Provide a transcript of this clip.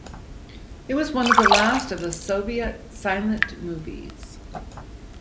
It was one of the last Soviet silent movies.